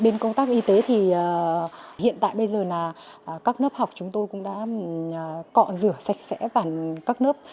bên công tác y tế thì hiện tại bây giờ là các lớp học chúng tôi cũng đã cọ rửa sạch sẽ và các lớp